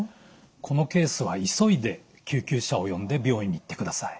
このケースは急いで救急車を呼んで病院に行ってください。